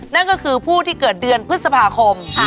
นั่นก็คือผู้ที่เกิดเดือนพฤษภาคม